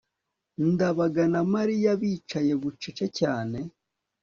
ndabaga na mariya bicaye bucece cyane